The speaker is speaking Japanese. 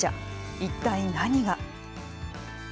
一体、何が。